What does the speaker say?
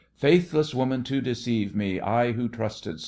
Faithless woman to deceive me, I who trusted so!